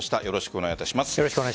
よろしくお願いします。